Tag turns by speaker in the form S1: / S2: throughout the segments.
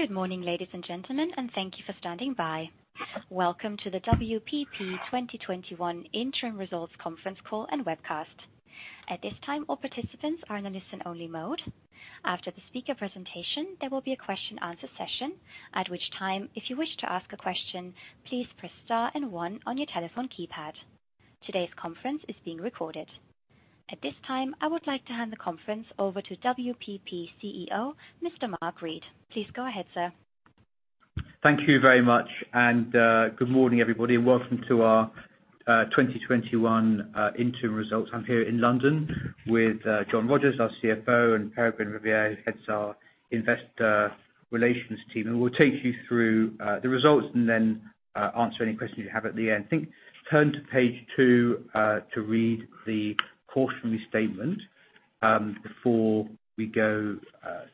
S1: Good morning, ladies and gentlemen, and thank you for standing by. Welcome to the WPP 2021 interim results conference call and webcast. At this time, all participants are in a listen-only mode. After the speaker presentation, there will be a question answer session, at which time, if you wish to ask a question, please press star and one on your telephone keypad. Today's conference is being recorded. At this time, I would like to hand the conference over to WPP CEO, Mr. Mark Read. Please go ahead, sir.
S2: Thank you very much. Good morning, everybody. Welcome to our 2021 interim results. I'm here in London with John Rogers, our CFO, and Peregrine Riviere, who heads our investor relations team. We'll take you through the results and then answer any questions you have at the end. I think turn to page 2 to read the cautionary statement before we go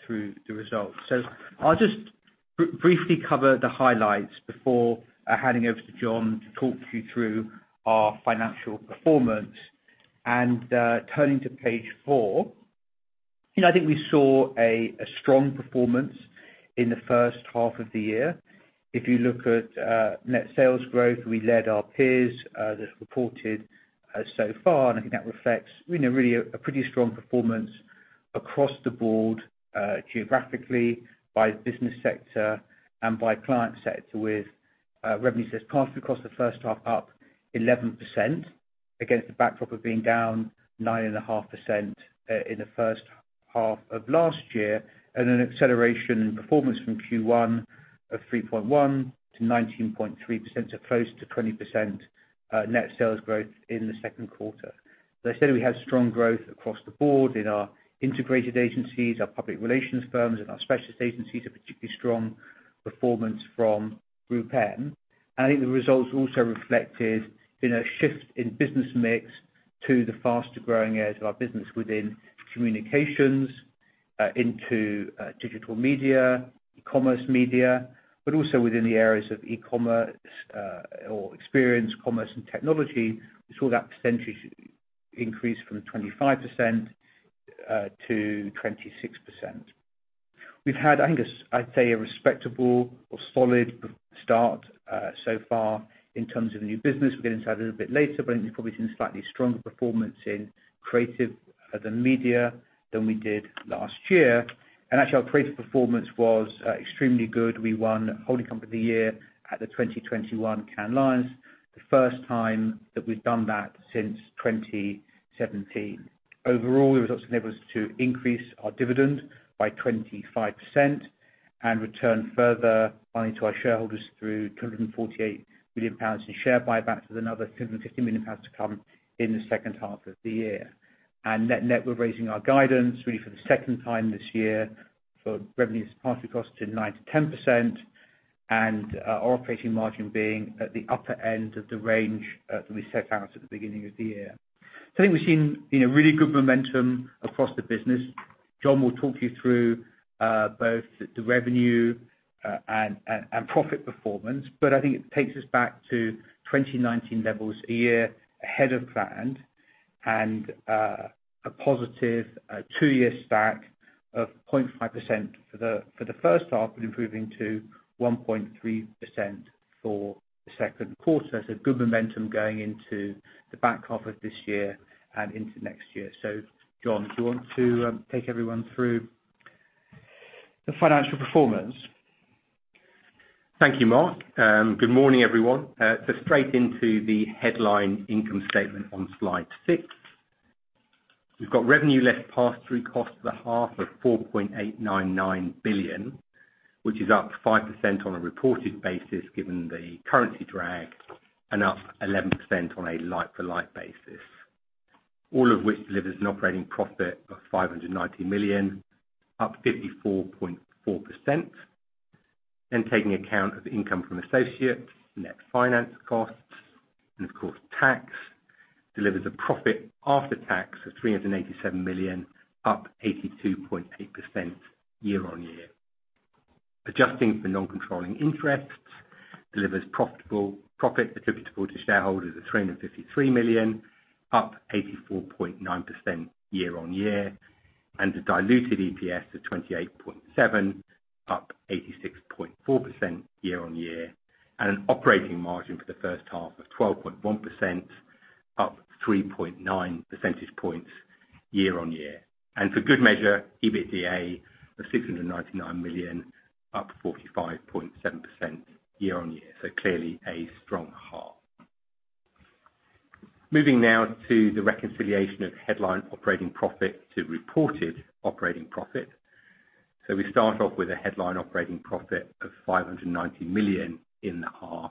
S2: through the results. I'll just briefly cover the highlights before handing over to John to talk you through our financial performance. Turning to page 4, I think we saw a strong performance in the first half of the year. If you look at net sales growth, we led our peers that have reported so far. I think that reflects really a pretty strong performance across the board geographically, by business sector and by client sector, with revenues as pass through costs the first half up 11% against the backdrop of being down 9.5% in the first half of last year. An acceleration in performance from Q1 of 3.1% to 19.3%, so close to 20% net sales growth in the second quarter. As I said, we had strong growth across the board in our integrated agencies, our public relations firms, and our specialist agencies, a particularly strong performance from GroupM. I think the results also reflected a shift in business mix to the faster-growing areas of our business within communications, into digital media, commerce media, but also within the areas of e-commerce, or experience, commerce, and technology. We saw that percentage increase from 25% to 26%. We've had, I think, I'd say a respectable or solid start so far in terms of new business. We'll get into that a little bit later. I think you've probably seen slightly stronger performance in creative than media than we did last year. Actually, our creative performance was extremely good. We won Holding Company of the Year at the 2021 Cannes Lions, the first time that we've done that since 2017. Overall, the results enable us to increase our dividend by 25% and return further funding to our shareholders through 248 million pounds in share buybacks with another 250 million pounds to come in the second half of the year. Net-net, we're raising our guidance really for the second time this year for revenues partly cost to 9%-10% and our operating margin being at the upper end of the range that we set out at the beginning of the year. I think we've seen really good momentum across the business. John will talk you through both the revenue and profit performance, I think it takes us back to 2019 levels, a year ahead of plan and a positive two-year stack of 0.5% for the first half, but improving to 1.3% for the second quarter. Good momentum going into the back half of this year and into next year. John, do you want to take everyone through the financial performance?
S3: Thank you, Mark. Good morning, everyone. Straight into the headline income statement on slide 6. We've got revenue less pass-through cost for the half of 4.899 billion, which is up 5% on a reported basis given the currency drag, and up 11% on a like-for-like basis. All of which delivers an operating profit of 590 million, up 54.4%. Taking account of income from associates, net finance costs, and of course tax, delivers a profit after tax of GBP 387 million, up 82.8% year-on-year. Adjusting for non-controlling interests delivers profit attributable to shareholders of 353 million, up 84.9% year-on-year. The diluted EPS of 28.7, up 86.4% year-on-year. An operating margin for the first half of 12.1%, up 3.9 percentage points year-on-year. For good measure, EBITDA of 699 million, up 45.7% year-on-year. Clearly a strong half. Moving now to the reconciliation of the headline operating profit to reported operating profit. We start off with a headline operating profit of 590 million in the half.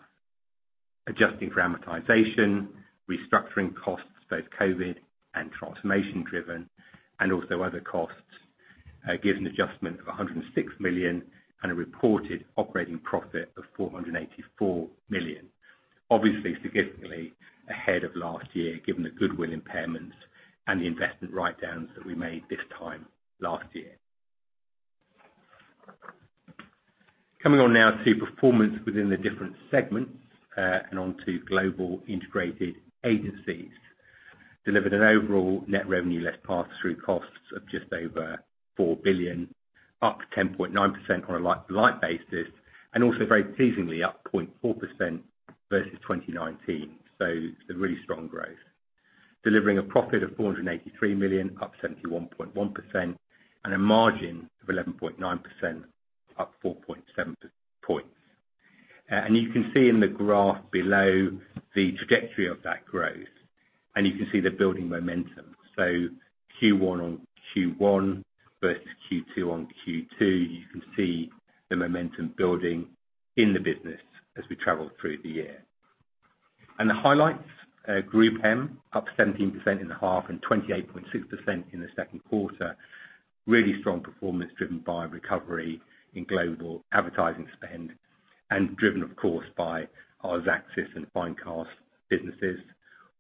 S3: Adjusting for amortization, restructuring costs, both COVID and transformation driven, and also other costs, gives an adjustment of GBP 106 million and a reported operating profit of GBP 484 million. Obviously significantly ahead of last year given the goodwill impairments and the investment write-downs that we made this time last year. Coming on now to performance within the different segments, and onto global integrated agencies. Delivered an overall net revenue, less pass-through costs of just over 4 billion, up 10.9% on a like-to-like basis, and also very pleasingly up 0.4% versus 2019. Some really strong growth. Delivering a profit of GBP 483 million, up 71.1%, and a margin of 11.9%, up 4.7 points. You can see in the graph below the trajectory of that growth, and you can see the building momentum. Q1-on-Q1 versus Q2-on-Q2, you can see the momentum building in the business as we travel through the year. The highlights, GroupM up 17% in the half and 28.6% in the second quarter. Really strong performance driven by recovery in global advertising spend, and driven, of course, by our Xaxis and Finecast businesses.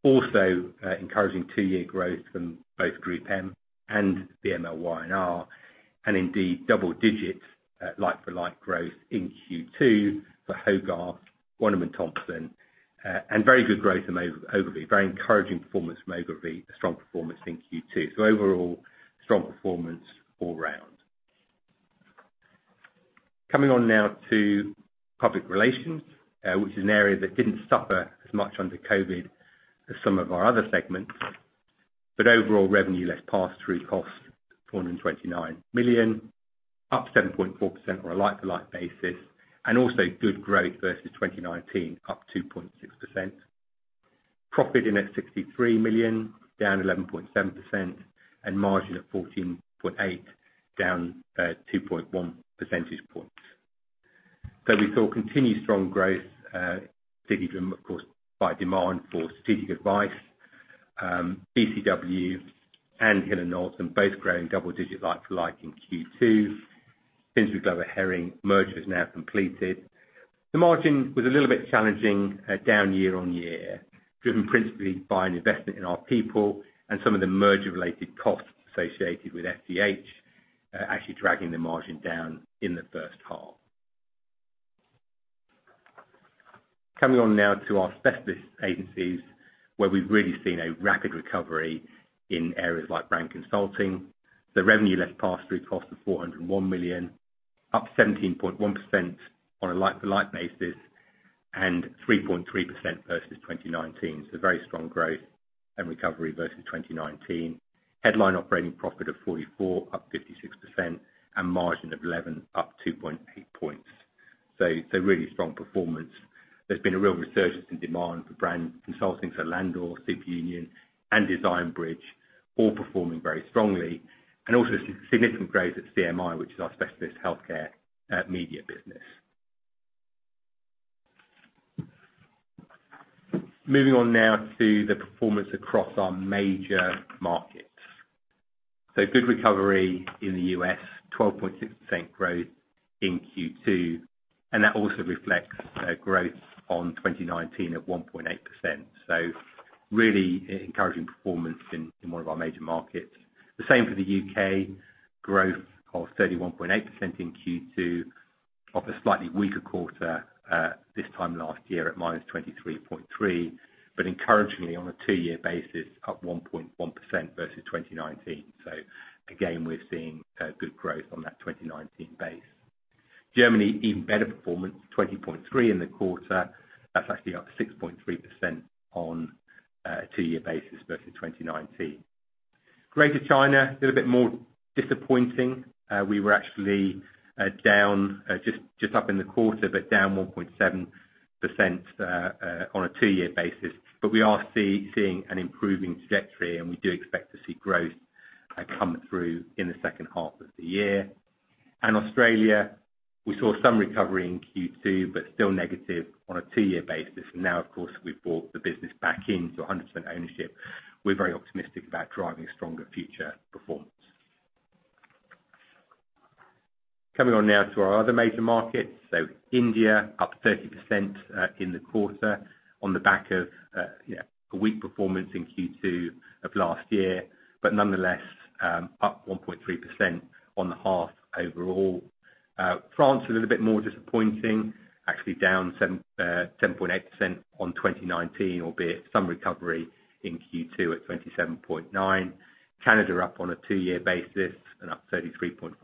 S3: Also encouraging two-year growth from both GroupM and VMLY&R, and indeed, double digits like-for-like growth in Q2 for Hogarth, Wunderman Thompson, and very good growth from Ogilvy. Very encouraging performance from Ogilvy, a strong performance in Q2. Overall, strong performance all round. Coming on now to public relations, which is an area that didn't suffer as much under COVID as some of our other segments. Overall revenue, less pass-through costs, GBP 429 million, up 7.4% on a like-to-like basis, and also good growth versus 2019, up 2.6%. Profit in at 63 million, down 11.7%, and margin of 14.8%, down 2.1 percentage points. We saw continued strong growth, particularly driven, of course, by demand for strategic advice. BCW and Hill+Knowlton both growing double-digit like-to-like in Q2. Finsbury Glover Hering merger is now completed. The margin was a little bit challenging down year-on-year, driven principally by an investment in our people and some of the merger related costs associated with FGH actually dragging the margin down in the first half. Coming on now to our specialist agencies, where we've really seen a rapid recovery in areas like brand consulting. The revenue, less pass-through costs, of 401 million, up 17.1% on a like-to-like basis and 3.3% versus 2019. Very strong growth and recovery versus 2019. Headline operating profit of 44%, up 56%, and margin of 11%, up 2.8 points. Really strong performance. There's been a real resurgence in demand for brand consulting, so Landor, Superunion, and Design Bridge all performing very strongly. Also significant growth at CMI, which is our specialist healthcare media business. Moving on now to the performance across our major markets. Good recovery in the U.S., 12.6% growth in Q2, and that also reflects growth on 2019 at 1.8%. Really encouraging performance in one of our major markets. The same for the U.K., growth of 31.8% in Q2, off a slightly weaker quarter this time last year at -23.3%, but encouragingly on a two-year basis, up 1.1% versus 2019. Again, we're seeing good growth on that 2019 base. Germany even better performance, 20.3% in the quarter. That's actually up 6.3% on a two-year basis versus 2019. Greater China, a little bit more disappointing. We were actually just up in the quarter, but down 1.7% on a two-year basis. We are seeing an improving trajectory, and we do expect to see growth come through in the second half of the year. Australia, we saw some recovery in Q2, but still negative on a two-year basis. Now, of course, we've brought the business back into 100% ownership. We're very optimistic about driving stronger future performance. Coming on now to our other major markets. India up 30% in the quarter on the back of a weak performance in Q2 of last year. Nonetheless up 1.3% on the half overall. France, a little bit more disappointing, actually down 10.8% on 2019, albeit some recovery in Q2 at 27.9%. Canada are up on a two-year basis and up 33.5%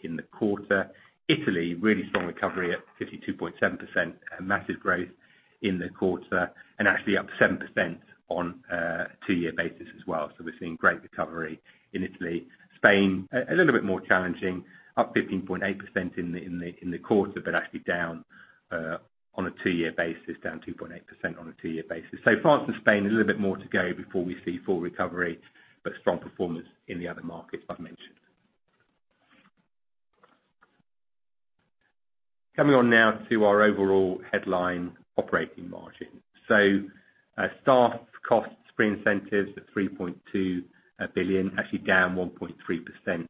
S3: in the quarter. Italy, really strong recovery at 52.7%, a massive growth in the quarter and actually up 7% on a two-year basis as well. We're seeing great recovery in Italy. Spain, a little bit more challenging, up 15.8% in the quarter, down on a two-year basis, down 2.8% on a two-year basis. France and Spain, a little bit more to go before we see full recovery, but strong performance in the other markets I've mentioned. Coming on now to our overall headline operating margin. Staff costs, pre incentives at 3.2 billion, actually down 1.3%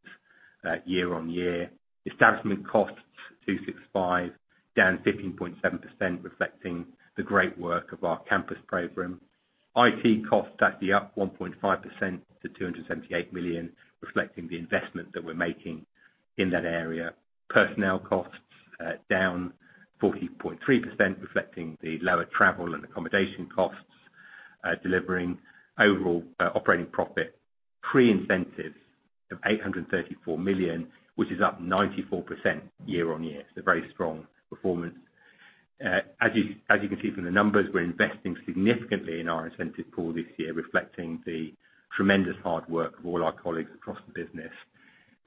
S3: year-on-year. Establishment costs, 265 million, down 15.7%, reflecting the great work of our campus program. IT costs actually up 1.5% to 278 million, reflecting the investment that we're making in that area. Personnel costs down 40.3%, reflecting the lower travel and accommodation costs. Delivering overall operating profit pre-incentives of 834 million, which is up 94% year-on-year. Very strong performance. As you can see from the numbers, we're investing significantly in our incentive pool this year, reflecting the tremendous hard work of all our colleagues across the business.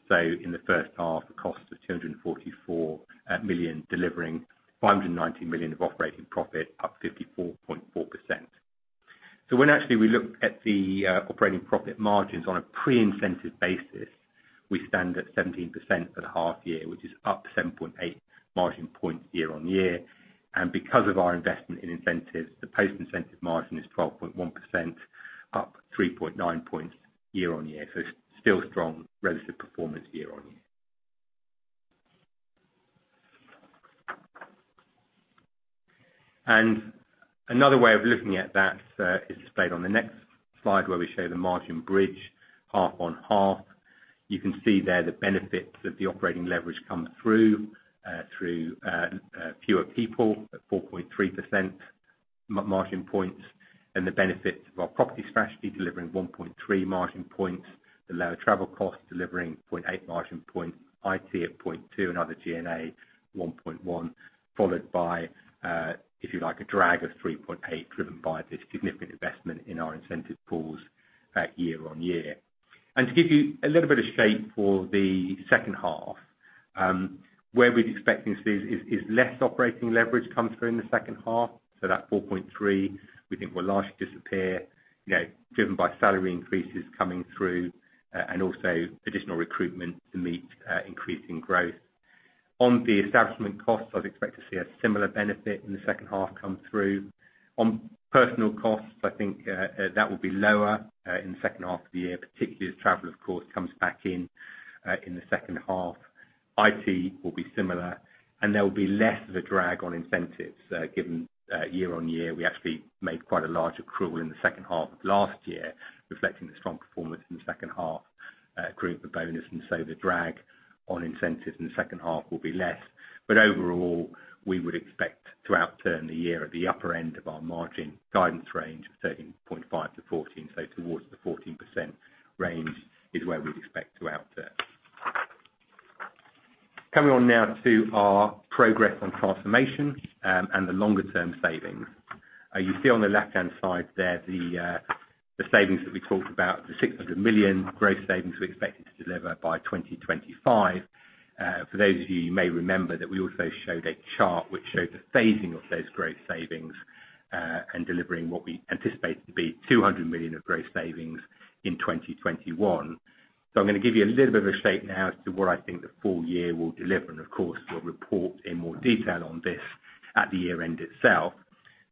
S3: In the first half, the cost was 244 million, delivering 590 million of operating profit, up 54.4%. When actually we look at the operating profit margins on a pre-incentive basis, we stand at 17% for the half year, which is up 7.8 margin points year-on-year. Because of our investment in incentives, the post-incentive margin is 12.1%, up 3.9 points year-on-year. It's still strong relative performance year-on-year. Another way of looking at that is displayed on the next slide where we show the margin bridge half-on-half. You can see there the benefits of the operating leverage come through fewer people at 4.3% margin points, and the benefits of our property specialty delivering 1.3% margin points, the lower travel costs delivering 0.8% margin points, IT at 0.2%, and other G&A 1.1,% followed by, if you like, a drag of 3.8%% driven by this significant investment in our incentive pools year-on-year. To give you a little bit of shape for the second half, where we're expecting to see is less operating leverage come through in the second half. That 4.3% we think will largely disappear, driven by salary increases coming through and also additional recruitment to meet increasing growth. On the establishment costs, I'd expect to see a similar benefit in the second half come through. On personnel costs, I think that will be lower in the second half of the year, particularly as travel, of course, comes back in the second half. IT will be similar. There will be less of a drag on incentives given year-on-year. We actually made quite a large accrual in the second half of last year, reflecting the strong performance in the second half, accrued the bonus. So the drag on incentives in the second half will be less. Overall, we would expect to outturn the year at the upper end of our margin guidance range of 13.5%-14%. Towards the 14% range is where we'd expect to outturn. Coming on now to our progress on transformation and the longer term savings. You see on the left-hand side there, the savings that we talked about, the 600 million gross savings we're expecting to deliver by 2025. For those of you may remember that we also showed a chart which showed the phasing of those gross savings and delivering what we anticipate to be 200 million of gross savings in 2021. I'm going to give you a little bit of a state now as to what I think the full year will deliver, and of course, we'll report in more detail on this at the year end itself.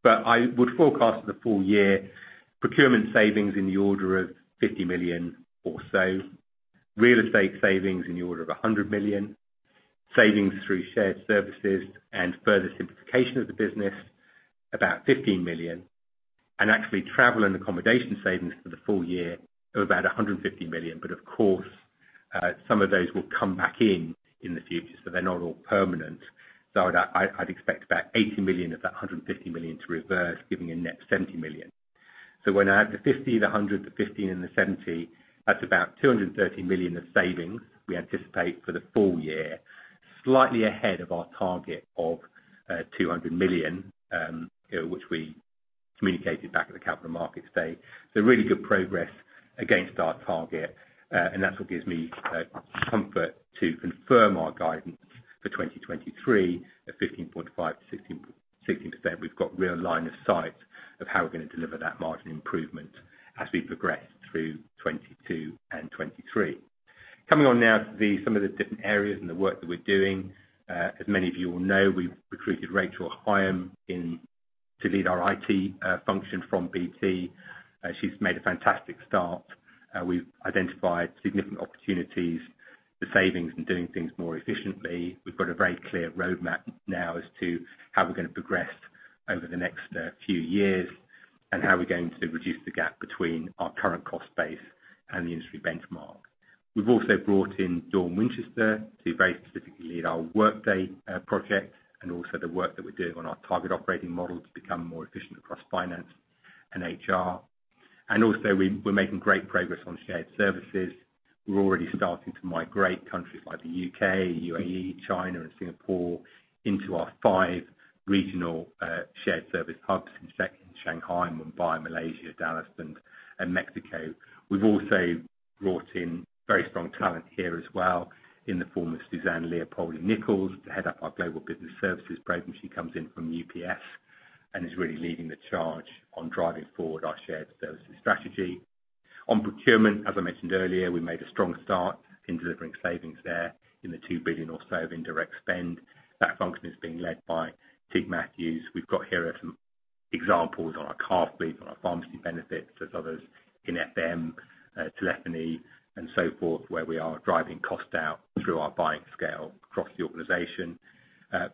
S3: I would forecast the full year procurement savings in the order of 50 million or so. Real estate savings in the order of 100 million. Savings through shared services and further simplification of the business about 15 million. Actually travel and accommodation savings for the full year of about 150 million. Of course, some of those will come back in the future. They're not all permanent. I'd expect about 80 million of that 150 million to reverse, giving a net 70 million. When I add the 50 million, the 100 million, the 15 million and the 70 million, that's about 230 million of savings we anticipate for the full year. Slightly ahead of our target of 200 million, which we communicated back at the Capital Markets Day. Really good progress against our target, and that's what gives me comfort to confirm our guidance for 2023 at 15.5%-16%. We've got real line of sight of how we're going to deliver that margin improvement as we progress through 2022 and 2023. Coming on now to some of the different areas and the work that we're doing. As many of you will know, we recruited Rachel Higham to lead our IT function from BT. She's made a fantastic start. We've identified significant opportunities for savings and doing things more efficiently. We've got a very clear roadmap now as to how we're going to progress over the next few years and how we're going to reduce the gap between our current cost base and the industry benchmark. We've also brought in Dawn Winchester to very specifically lead our Workday project and also the work that we're doing on our target operating model to become more efficient across finance and HR. We're making great progress on shared services. We're already starting to migrate countries like the U.K., U.A.E., China, and Singapore into our five regional shared service hubs in Shanghai, Mumbai, Malaysia, Dallas, and Mexico. We've also brought in very strong talent here as well in the form of Suzanne Leopoldi-Nichols to head up our Global Business Services program. She comes in from UPS and is really leading the charge on driving forward our shared services strategy. On procurement, as I mentioned earlier, we made a strong start in delivering savings there in the 2 billion or so of indirect spend. That function is being led by Tig Matthews. We've got here are some examples on our car fleet, on our pharmacy benefits. There's others in FM, telephony, and so forth, where we are driving cost out through our buying scale across the organization.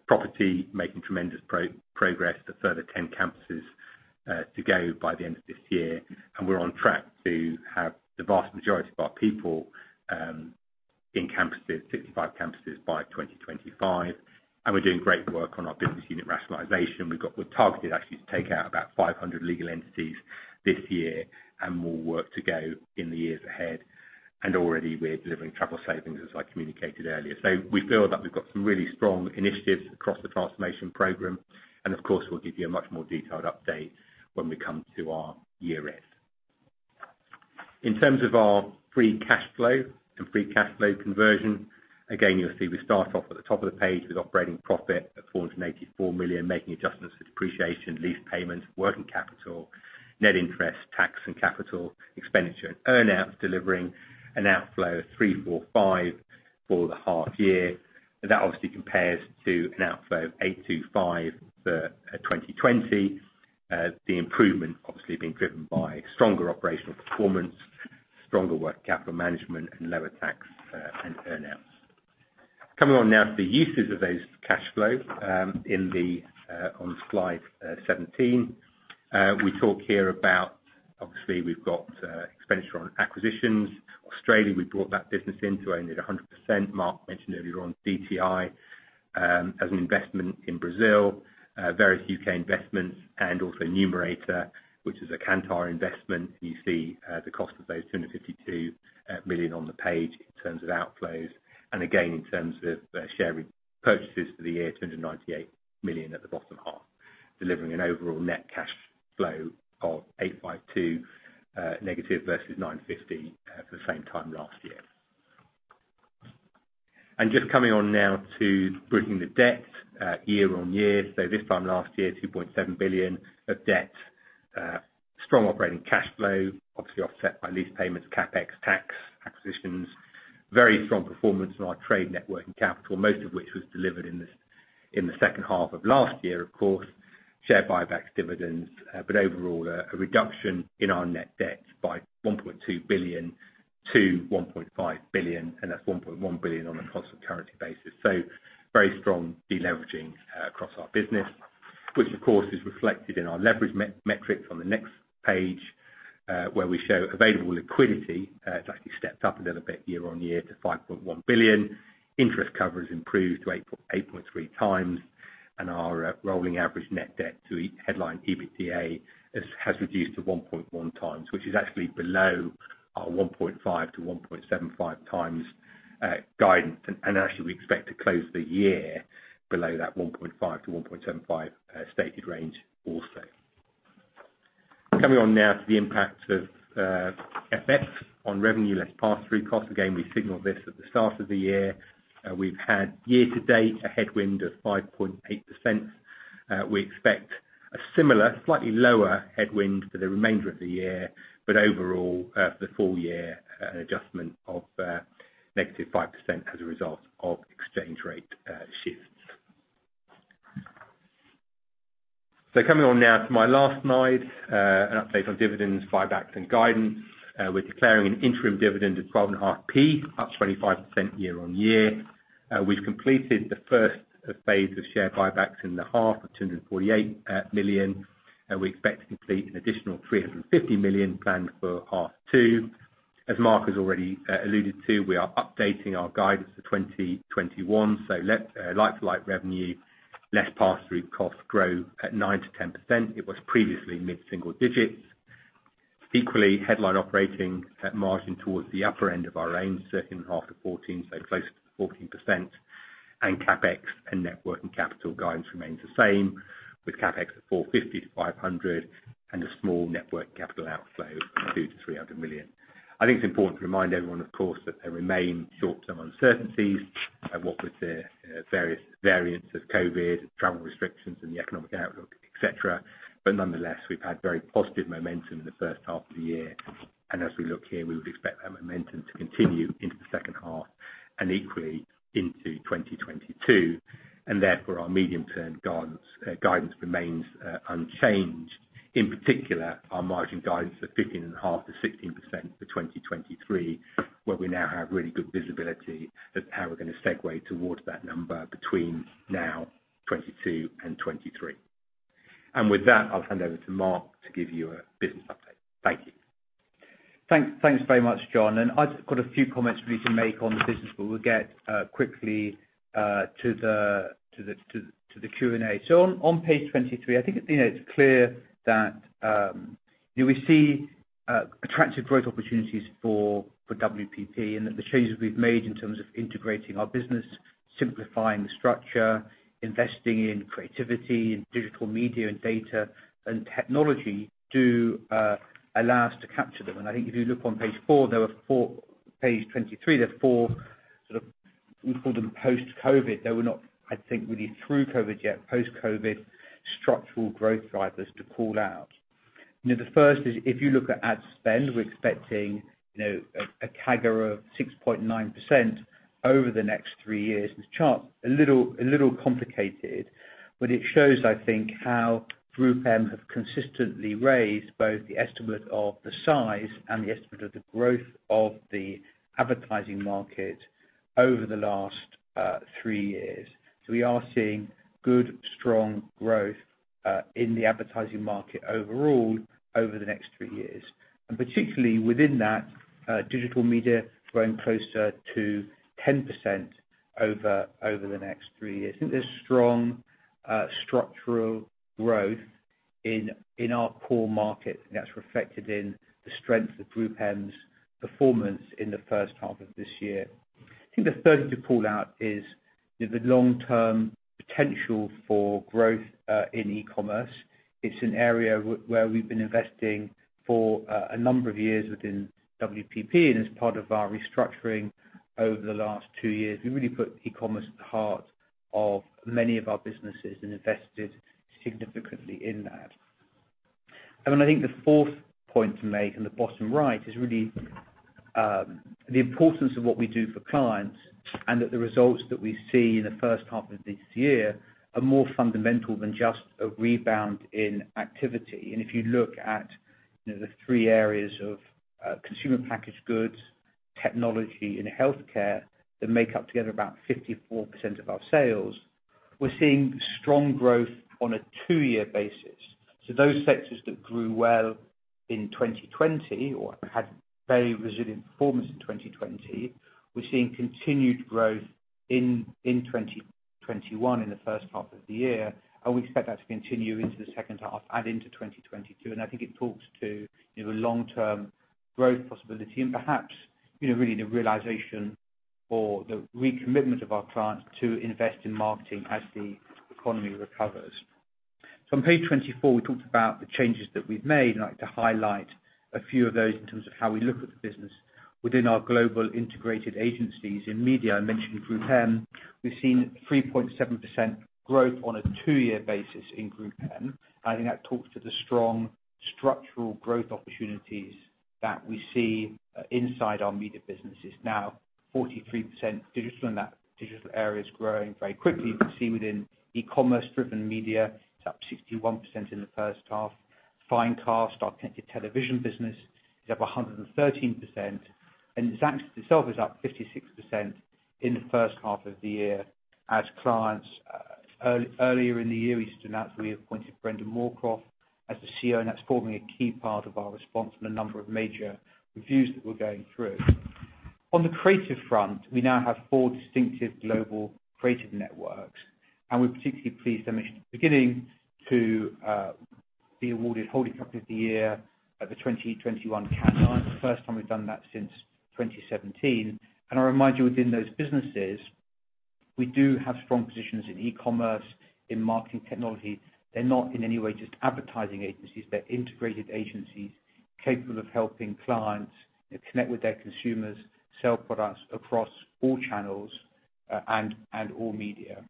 S3: Property, making tremendous progress. The further 10 campuses to go by the end of this year. We're on track to have the vast majority of our people in campuses, 65 campuses by 2025. We're doing great work on our business unit rationalization. We've targeted actually to take out about 500 legal entities this year, and more work to go in the years ahead. Already we're delivering travel savings, as I communicated earlier. We feel that we've got some really strong initiatives across the transformation program, and of course, we'll give you a much more detailed update when we come to our year end. In terms of our free cash flow and free cash flow conversion, again, you'll see we start off at the top of the page with operating profit of 484 million, making adjustments for depreciation, lease payments, working capital, net interest, tax, and capital expenditure, and earn outs delivering an outflow of 345 million for the half year. That obviously compares to an outflow of 825 million for 2020. The improvement obviously being driven by stronger operational performance, stronger working capital management, and lower tax and earn-outs. Coming on now to the uses of those cash flow on slide 17. We talk here about, obviously, we've got expenditure on acquisitions. Australia, we brought that business in to own it 100%. Mark mentioned earlier on dti, as an investment in Brazil, various U.K. investments and also Numerator, which is a Kantar investment. You see the cost of those 252 million on the page in terms of outflows. Again, in terms of share repurchases for the year, 298 million at the bottom half, delivering an overall net cash flow of 852 million negative versus 950 million at the same time last year. Just coming on now to bridging the debt year-over-year. This time last year, 2.7 billion of debt, strong operating cash flow, obviously offset by lease payments, CapEx, tax, acquisitions, very strong performance in our trade network and capital, most of which was delivered in the second half of last year, of course, share buybacks, dividends. Overall, a reduction in our net debt by 1.2 billion to 1.5 billion, and that's 1.1 billion on a constant currency basis. Very strong deleveraging across our business, which of course is reflected in our leverage metrics on the next page, where we show available liquidity. It's actually stepped up a little bit year-on-year to 5.1 billion. Interest cover has improved to 8.3x, and our rolling average net debt to headline EBITDA has reduced to 1.1x, which is actually below our 1.5x-1.75x guidance. Actually, we expect to close the year below that 1.5x-1.75x stated range also. Coming on now to the impact of FX on revenue less pass-through cost. We signaled this at the start of the year. We've had year-to-date a headwind of 5.8%. We expect a similar, slightly lower headwind for the remainder of the year, but overall, for the full year, an adjustment of -5% as a result of exchange rate shifts. Coming on now to my last slide, an update on dividends, buybacks and guidance. We're declaring an interim dividend of 0.125, up 25% year-on-year. We've completed the first phase of share buybacks in the half of 248 million. We expect to complete an additional 350 million planned for half two. As Mark has already alluded to, we are updating our guidance for 2021. Like-to-like revenue less pass-through costs grow at 9%-10%. It was previously mid-single digits. Equally, headline operating margin towards the upper end of our range, 13.5%-14%, so close to 14%. CapEx and network and capital guidance remains the same with CapEx at 450 million-500 million and a small network capital outflow of 200 million-300 million. I think it's important to remind everyone, of course, that there remain short-term uncertainties, what with the various variants of COVID, travel restrictions and the economic outlook, et cetera. Nonetheless, we've had very positive momentum in the first half of the year. As we look here, we would expect that momentum to continue into the second half and equally into 2022. Therefore, our medium-term guidance remains unchanged. In particular, our margin guidance of 15.5%-16% for 2023, where we now have really good visibility as how we're going to segue towards that number between now 2022 and 2023. With that, I'll hand over to Mark to give you a business update. Thank you.
S2: Thanks very much, John. I've just got a few comments for me to make on the business, but we'll get quickly to the Q&A. On page 23, I think it's clear that we see attractive growth opportunities for WPP and that the changes we've made in terms of integrating our business, simplifying the structure, investing in creativity and digital media and data and technology do allow us to capture them. I think if you look on page 23, there are four sort of, we call them post-COVID. They were not, I think, really through COVID yet, post-COVID structural growth drivers to call out. The first is if you look at ad spend, we're expecting a CAGR of 6.9% over the next three years. This chart, a little complicated, but it shows, I think, how GroupM have consistently raised both the estimate of the size and the estimate of the growth of the advertising market over the last three years. We are seeing good, strong growth in the advertising market overall over the next three years. Particularly within that, digital media growing closer to 10% over the next three years. I think there's strong structural growth in our core markets, and that's reflected in the strength of GroupM's performance in the first half of this year. I think the third to call out is the long-term potential for growth in e-commerce. It's an area where we've been investing for a number of years within WPP and as part of our restructuring over the last two years. We've really put e-commerce at the heart of many of our businesses and invested significantly in that. I think the fourth point to make in the bottom right is really the importance of what we do for clients and that the results that we see in the first half of this year are more fundamental than just a rebound in activity. If you look at the three areas of consumer packaged goods, technology, and healthcare that make up together about 54% of our sales, we're seeing strong growth on a two-year basis. Those sectors that grew well in 2020 or had very resilient performance in 2020, we're seeing continued growth in 2021 in the first half of the year, and we expect that to continue into the second half and into 2022. I think it talks to the long-term growth possibility and perhaps really the realization or the recommitment of our clients to invest in marketing as the economy recovers. On page 24, we talked about the changes that we've made, and I'd like to highlight a few of those in terms of how we look at the business within our global integrated agencies. In media, I mentioned GroupM. We've seen 3.7% growth on a two-year basis in GroupM. I think that talks to the strong structural growth opportunities that we see inside our media businesses. Now 43% digital, and that digital area is growing very quickly. You can see within e-commerce-driven media, it's up 61% in the first half. Finecast, our connected television business, is up 113%, and Xaxis itself is up 56% in the first half of the year as clients earlier in the year, we announced we appointed Brendan Moorcroft as the CEO, and that's forming a key part of our response from a number of major reviews that we're going through. On the creative front, we now have four distinctive global creative networks, and we're particularly pleased, I mentioned at the beginning, to be awarded Holding Company of the Year at the 2021 Cannes Lions. The first time we've done that since 2017. I remind you within those businesses, we do have strong positions in e-commerce, in marketing technology. They're not in any way just advertising agencies, they're integrated agencies capable of helping clients connect with their consumers, sell products across all channels, and all media.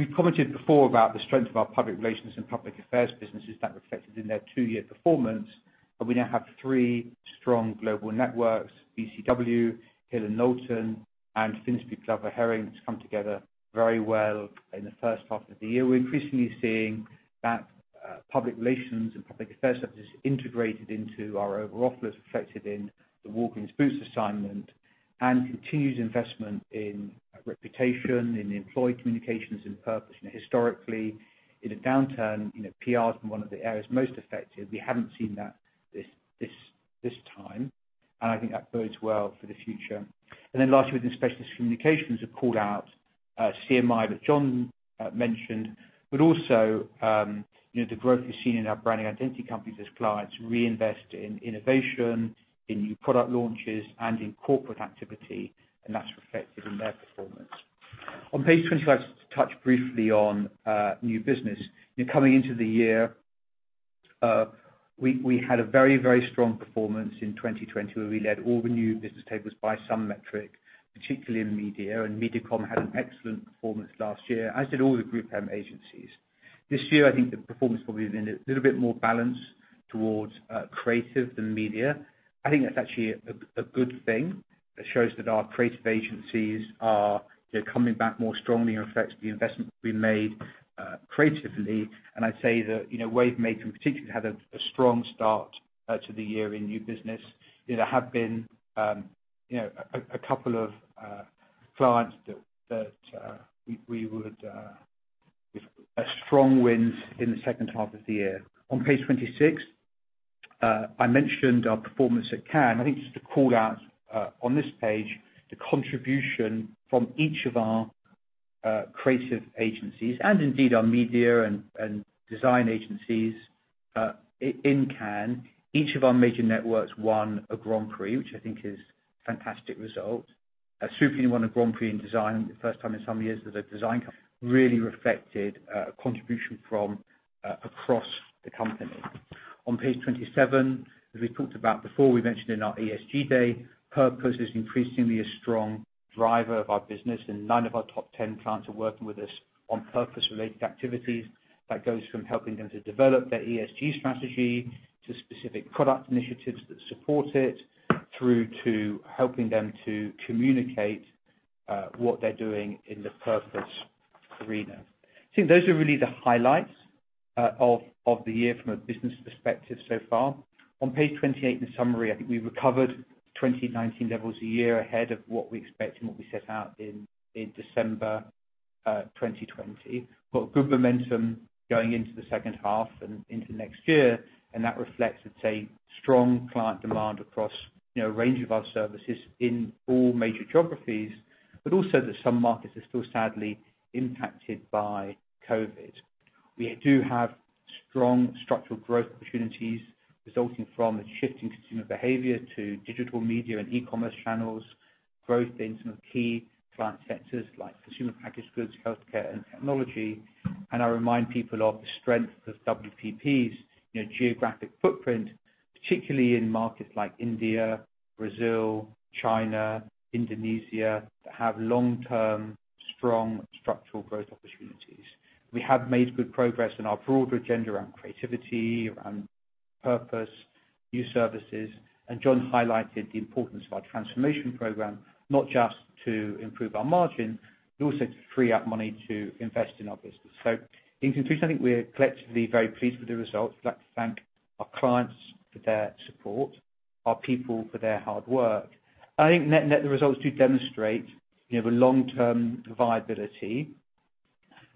S2: We've commented before about the strength of our public relations and public affairs businesses that reflected in their two-year performance, we now have three strong global networks, BCW, Hill+Knowlton, and Finsbury Glover Hering that's come together very well in the first half of the year. We're increasingly seeing that public relations and public affairs services integrated into our overall offer as reflected in the Walgreens Boots assignment and continued investment in reputation, in employee communications, and purpose. Historically, in a downturn, PR has been one of the areas most affected. We haven't seen that this time. I think that bodes well for the future. Lastly, within specialist communications, I've called out CMI that John Rogers mentioned, also the growth we've seen in our branding identity companies as clients reinvest in innovation, in new product launches, and in corporate activity, and that's reflected in their performance. On page 25, to touch briefly on new business. Coming into the year, we had a very strong performance in 2020 where we led all the new business tables by some metric, particularly in media, and MediaCom had an excellent performance last year, as did all the GroupM agencies. This year, I think the performance probably has been a little bit more balanced towards creative than media. I think that's actually a good thing that shows that our creative agencies are coming back more strongly and reflects the investment we made creatively. I'd say that Wavemaker in particular had a strong start to the year in new business. There have been a couple of clients that we would a strong win in the second half of the year. On page 26, I mentioned our performance at Cannes. I think just to call out on this page the contribution from each of our creative agencies and indeed our media and design agencies in Cannes. Each of our major networks won a Grand Prix, which I think is fantastic result. Superunion won a Grand Prix in design the first time in some years that a design company really reflected a contribution from across the company. On page 27, as we talked about before, we mentioned in our ESG day, purpose is increasingly a strong driver of our business, and nine of our top 10 clients are working with us on purpose-related activities. That goes from helping them to develop their ESG strategy to specific product initiatives that support it, through to helping them to communicate what they're doing in the purpose arena. I think those are really the highlights of the year from a business perspective so far. On page 28, in the summary, I think we recovered 2019 levels a year ahead of what we expect and what we set out in December 2020. We got good momentum going into the second half and into next year. That reflects, let's say, strong client demand across a range of our services in all major geographies, but also that some markets are still sadly impacted by COVID. We do have strong structural growth opportunities resulting from the shifting consumer behavior to digital media and e-commerce channels, growth in some of the key client sectors like consumer packaged goods, healthcare, and technology. I remind people of the strength of WPP's geographic footprint, particularly in markets like India, Brazil, China, Indonesia, that have long-term strong structural growth opportunities. We have made good progress in our broader agenda around creativity, around purpose, new services. John highlighted the importance of our transformation program, not just to improve our margin, but also to free up money to invest in our business. In conclusion, I think we're collectively very pleased with the results. We'd like to thank our clients for their support, our people for their hard work. I think net-net, the results do demonstrate the long-term viability,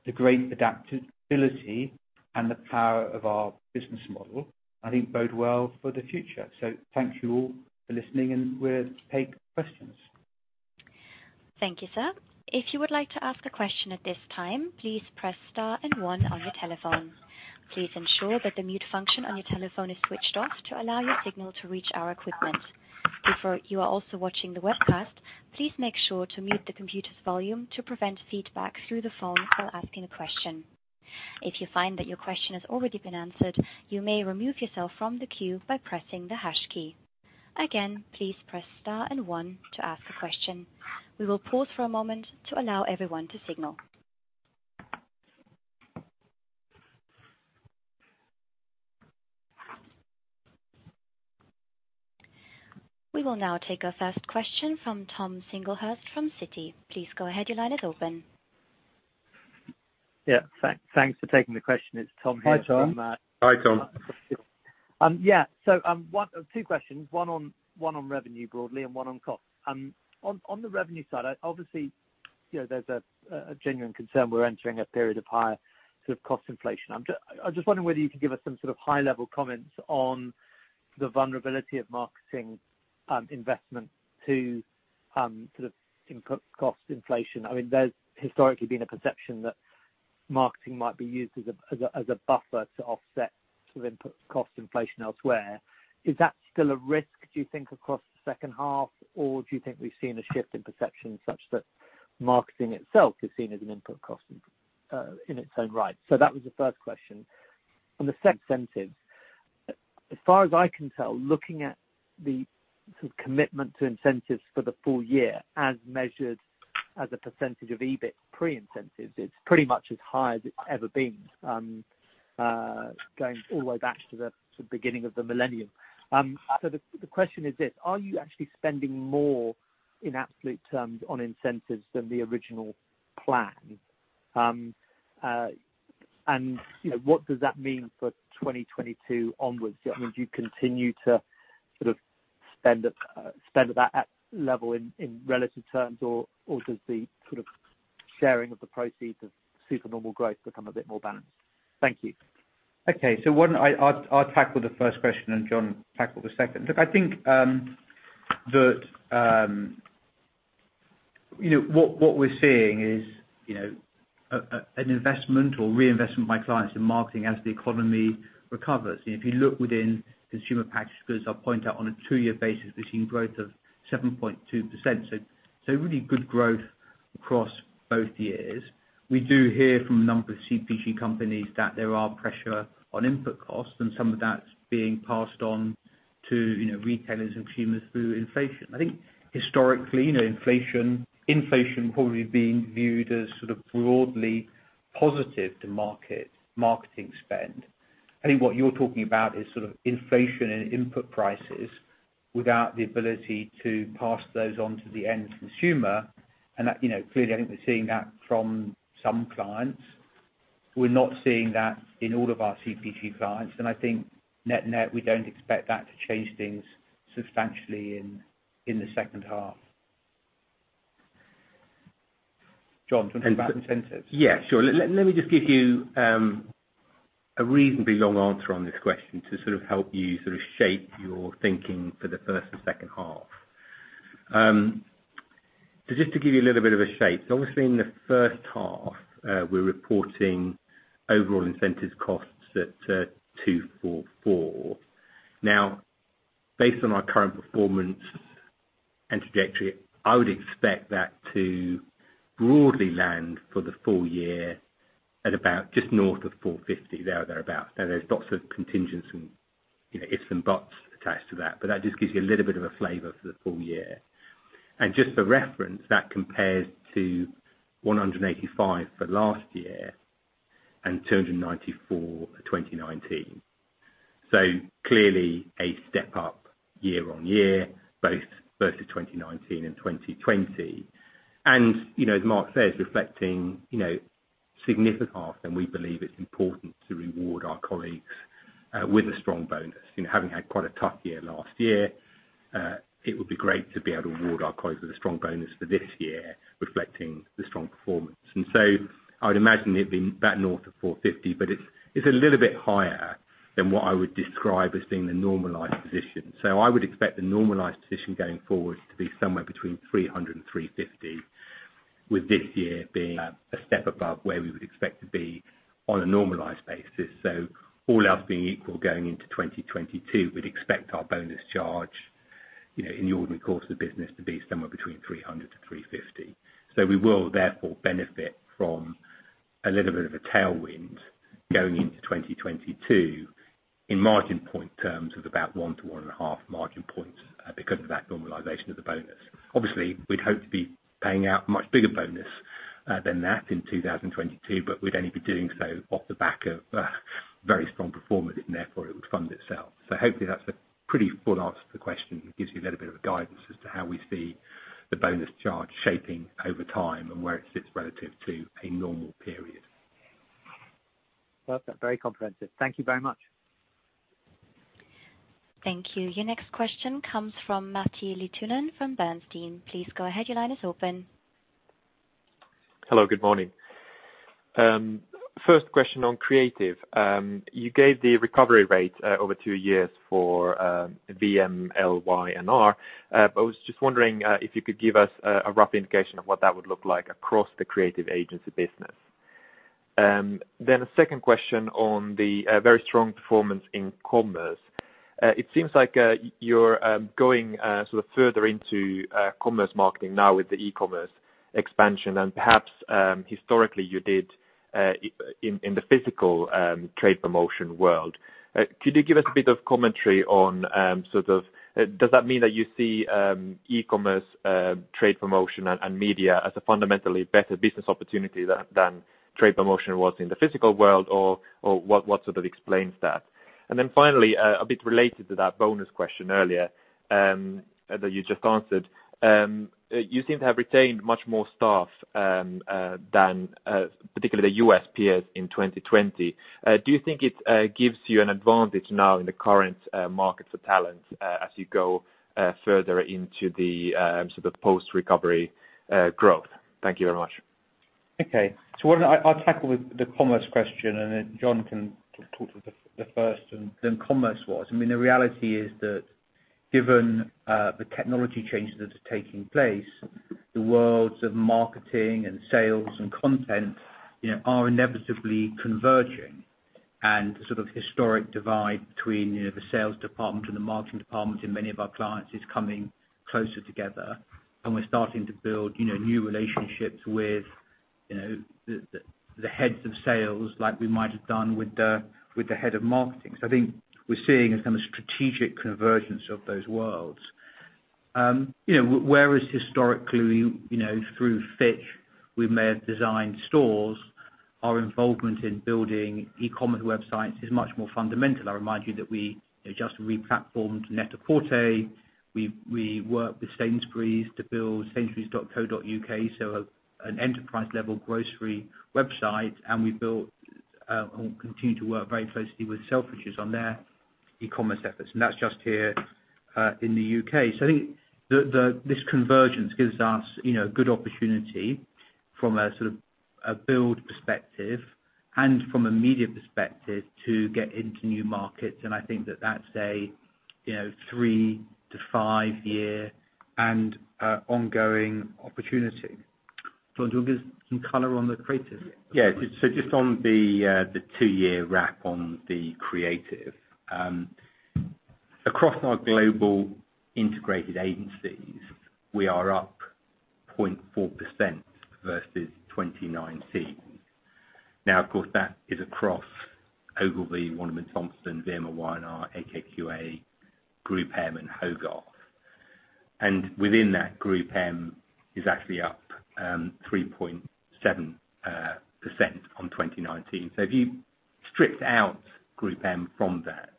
S2: the great adaptability, and the power of our business model, I think bode well for the future. Thank you all for listening. We'll take questions.
S1: Thank you, sir. If you would like to ask a question at this time, please press star and one on your telephone. Please ensure that the mute function on your telephone is switched off to allow your signal to reach our equipment. If you are also watching the webcast, please make sure to mute the computer's volume to prevent feedback through the phone while asking a question. If you find that your question has already been answered, you may remove yourself from the queue by pressing the hash key. Again, please press star and one to ask a question. We will pause for a moment to allow everyone to signal. We will now take our first question from Tom Singlehurst from Citi. Please go ahead. Your line is open.
S4: Yeah. Thanks for taking the question. It's Tom here.
S2: Hi, Tom.
S3: Hi, Tom.
S4: Yeah. Two questions, one on revenue broadly and one on cost. On the revenue side, obviously, there's a genuine concern we're entering a period of higher cost inflation. I'm just wondering whether you could give us some sort of high level comments on the vulnerability of marketing investment to input cost inflation. There's historically been a perception that marketing might be used as a buffer to offset input cost inflation elsewhere. Is that still a risk, do you think, across the second half, or do you think we've seen a shift in perception such that marketing itself is seen as an input cost in its own right? That was the first question. On the second question, as far as I can tell, looking at the commitment to incentives for the full year as measured as a percentage of EBIT pre-incentives, it's pretty much as high as it's ever been, going all the way back to the beginning of the millennium. The question is this. Are you actually spending more in absolute terms on incentives than the original plan? What does that mean for 2022 onwards? Do you continue to spend at that level in relative terms, or does the sharing of the proceeds of super normal growth become a bit more balanced? Thank you.
S2: Okay. I'll tackle the first question, and John will tackle the second. Look, I think that, what we're seeing is an investment or reinvestment by clients in marketing as the economy recovers. If you look within consumer packaged goods, I point out on a two-year basis, we're seeing growth of 7.2%, so really good growth across both years. We do hear from a number of CPG companies that there are pressure on input costs and some of that's being passed on to retailers and consumers through inflation. I think historically, inflation probably being viewed as sort of broadly positive to marketing spend. What you're talking about is inflation and input prices without the ability to pass those on to the end consumer, and clearly, I think we're seeing that from some clients. We're not seeing that in all of our CPG clients, and I think net-net, we don't expect that to change things substantially in the second half. John, do you want to take incentives?
S3: Yeah, sure. Let me just give you a reasonably long answer on this question to help you shape your thinking for the first and second half. Just to give you a little bit of a shape, obviously in the first half, we're reporting overall incentives costs at 244 million. Based on our current performance and trajectory, I would expect that to broadly land for the full year at about just north of 450 million, there or thereabout. but that's just to give you a little bit of flavor the full year. Just for reference, that compares to 185 million for last year and 294 million in 2019. Clearly a step up year-on-year, both versus 2019 and 2020. As Mark says, reflecting significant half, and we believe it's important to reward our colleagues with a strong bonus. Having had quite a tough year last year, it would be great to be able to reward our colleagues with a strong bonus for this year, reflecting the strong performance. I would imagine it being about north of 450 million, but it's a little bit higher than what I would describe as being the normalized position. I would expect the normalized position going forward to be somewhere between 300 million and 350 million, with this year being a step above where we would expect to be on a normalized basis. All else being equal, going into 2022, we'd expect our bonus charge in the ordinary course of the business to be somewhere between 300 million-350 million. We will therefore benefit from a little bit of a tailwind going into 2022 in margin point terms of about 1-1.5 margin points because of that normalization of the bonus. Obviously, we'd hope to be paying out a much bigger bonus than that in 2022, but we'd only be doing so off the back of a very strong performance, and therefore it would fund itself. Hopefully that's a pretty full answer to the question. It gives you a little bit of a guidance as to how we see the bonus charge shaping over time and where it sits relative to a normal period.
S4: Perfect. Very comprehensive. Thank you very much.
S1: Thank you. Your next question comes from Matti Littunen from Bernstein. Please go ahead. Your line is open.
S5: Hello, good morning. First question on creative. You gave the recovery rate over two years for VMLY&R, but I was just wondering if you could give us a rough indication of what that would look like across the creative agency business. A second question on the very strong performance in commerce. It seems like you're going further into commerce marketing now with the e-commerce expansion and perhaps historically you did in the physical trade promotion world. Could you give us a bit of commentary on, does that mean that you see e-commerce trade promotion and media as a fundamentally better business opportunity than trade promotion was in the physical world or what sort of explains that? Finally, a bit related to that bonus question earlier that you just answered. You seem to have retained much more staff than particularly the U.S. peers in 2020. Do you think it gives you an advantage now in the current market for talent as you go further into the post-recovery growth? Thank you very much.
S2: Why don't I tackle the commerce question and then John can talk to the first. The reality is that given the technology changes that are taking place, the worlds of marketing and sales and content are inevitably converging, and the historic divide between the sales department and the marketing department in many of our clients is coming closer together. We're starting to build new relationships with the heads of sales like we might have done with the head of marketing. I think we're seeing a kind of strategic convergence of those worlds. Whereas historically through Fitch, we may have designed stores, our involvement in building e-commerce websites is much more fundamental. I remind you that we just re-platformed NET-A-PORTER. We worked with Sainsbury's to build sainsburys.co.uk, so an enterprise level grocery website, and we've built and will continue to work very closely with Selfridges on their e-commerce efforts. That's just here in the U.K. I think this convergence gives us good opportunity from a build perspective and from a media perspective to get into new markets, and I think that that's a three to five year and ongoing opportunity. John, do you want to give some color on the creative?
S3: Just on the two-year wrap on the creative. Across our global integrated agencies, we are up 0.4% versus 2019. That is across Ogilvy, Wunderman Thompson, VMLY&R, AKQA, GroupM, and Hogarth. Within that GroupM is actually up 3.7% on 2019. If you stripped out GroupM from that,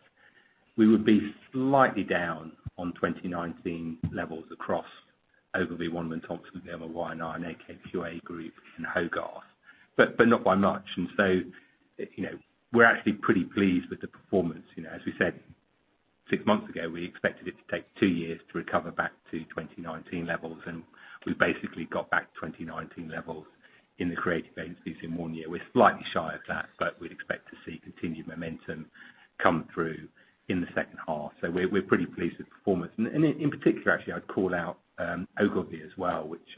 S3: we would be slightly down on 2019 levels across Ogilvy, Wunderman Thompson, VMLY&R, and AKQA Group and Hogarth, but not by much. We're actually pretty pleased with the performance. As we said six months ago, we expected it to take two years to recover back to 2019 levels, and we basically got back to 2019 levels in the creative agencies in one year. We're slightly shy of that, but we'd expect to see continued momentum come through in the second half. We're pretty pleased with performance. In particular, actually, I'd call out Ogilvy as well, which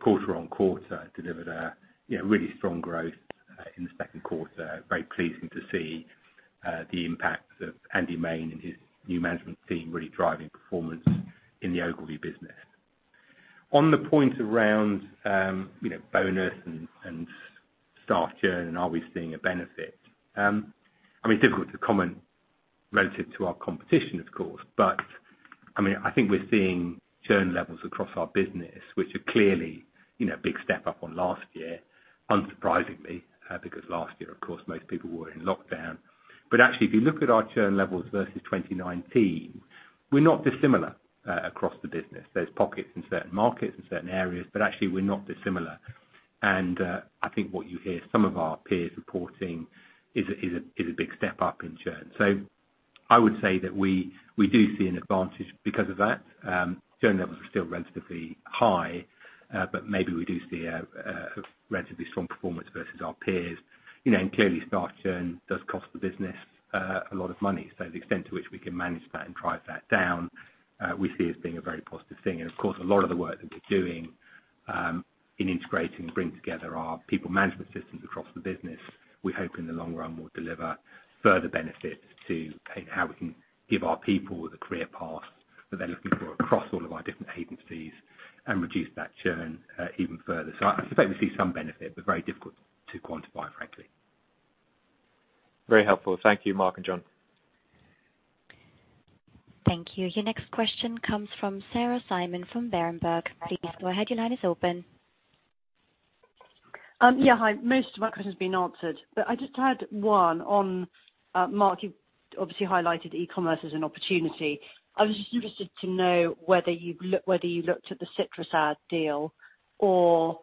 S3: quarter-on-quarter delivered a really strong growth in the second quarter. Very pleasing to see the impact of Andy Main and his new management team really driving performance in the Ogilvy business. On the point around bonus and staff churn, are we seeing a benefit? Difficult to comment relative to our competition, of course. I think we're seeing churn levels across our business, which are clearly a big step up on last year, unsurprisingly, because last year, of course, most people were in lockdown. Actually, if you look at our churn levels versus 2019, we're not dissimilar across the business. There's pockets in certain markets, in certain areas, but actually we're not dissimilar. I think what you hear some of our peers reporting is a big step up in churn. I would say that we do see an advantage because of that. Churn levels are still relatively high, but maybe we do see a relatively strong performance versus our peers. Clearly staff churn does cost the business a lot of money. The extent to which we can manage that and drive that down, we see as being a very positive thing. Of course, a lot of the work that we're doing in integrating and bringing together our people management systems across the business, we hope in the long run will deliver further benefits to how we can give our people the career paths that they're looking for across all of our different agencies and reduce that churn even further. I expect we'll see some benefit, but very difficult to quantify, frankly.
S5: Very helpful. Thank you, Mark and John.
S1: Thank you. Your next question comes from Sarah Simon from Berenberg.
S6: Yeah. Hi. Most of my question's been answered, but I just had one on, Mark, you've obviously highlighted e-commerce as an opportunity. I was just interested to know whether you looked at the CitrusAd deal or